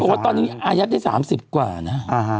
ครับผมว่าตอนนี้อายุได้๓๐กว่านะครับอ่าฮะ